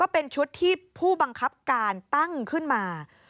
เป็นชุดที่ผู้บังคับการตั้งขึ้นมา